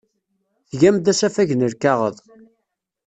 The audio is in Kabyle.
Tgam-d asafag n lkaɣeḍ.